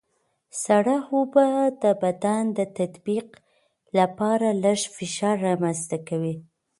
سړه اوبه د بدن د تطبیق لپاره لږ فشار رامنځته کوي.